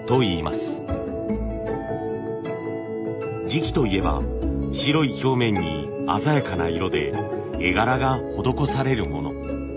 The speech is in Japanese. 磁器といえば白い表面に鮮やかな色で絵柄が施されるもの。